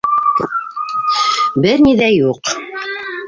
Бер ни ҙә юҡ...